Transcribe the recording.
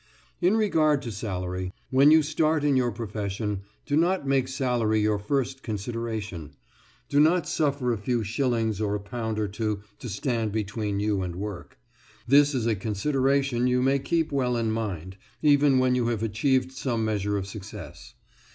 In regard to salary, when you start in your profession, do not make salary your first consideration; do not suffer a few shillings or a pound or two to stand between you and work. This is a consideration you may keep well in mind, even when you have achieved some measure of success.